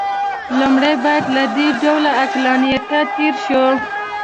لومړی باید له دې ډول عقلانیته تېر شي.